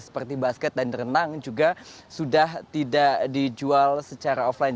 seperti basket dan renang juga sudah tidak dijual secara offline